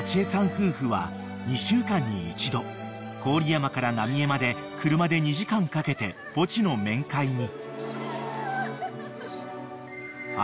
夫婦は２週間に１度郡山から浪江まで車で２時間かけてポチの面会に］